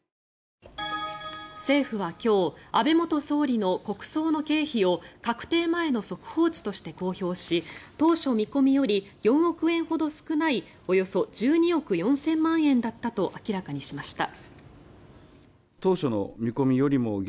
政府は今日安倍元総理大臣の国葬の経費を確定前の速報値として公表し当初見込みより４億円ほど少ないおよそ１２億４０００万円だったと明らかにしました。